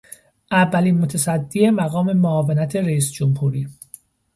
اولین متصدی مقام معاونت رئیس جمهوری